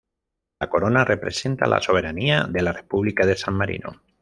La corona representa la soberanía de la República de San Marino.